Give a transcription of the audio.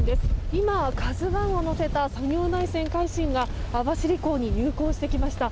今、「ＫＡＺＵ１」を載せた作業台船「海進」が網走港に入港してきました。